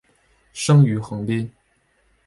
生于横滨。